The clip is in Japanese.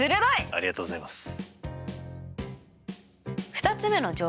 ありがとうございます。